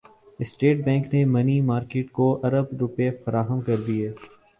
state Bank نےمنی market کو ارب روپے فراہم کردیے